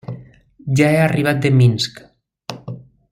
Ja he arribat de Minsk.